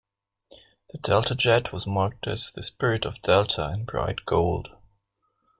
The Delta jet was marked as "The Spirit of Delta" in bright gold.